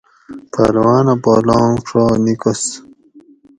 پہلوانہ پا لانگ ڛا نکس